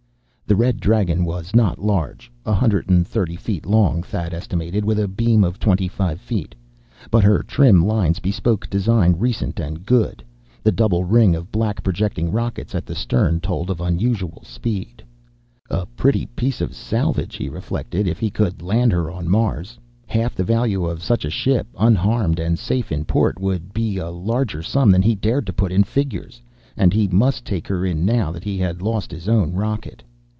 The Red Dragon was not large. A hundred and thirty feet long, Thad estimated, with a beam of twenty five feet. But her trim lines bespoke design recent and good; the double ring of black projecting rockets at the stern told of unusual speed. A pretty piece of salvage, he reflected, if he could land her on Mars. Half the value of such a ship, unharmed and safe in port, would be a larger sum than he dared put in figures. And he must take her in, now that he had lost his own rocket!